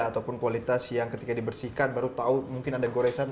ataupun kualitas yang ketika dibersihkan baru tahu mungkin ada goresan